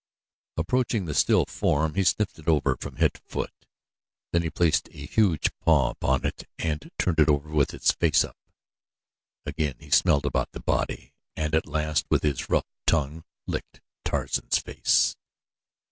Approaching the still form he sniffed it over from head to foot. Then he placed a huge paw upon it and turned it over with its face up. Again he smelled about the body and at last with his rough tongue licked Tarzan's face.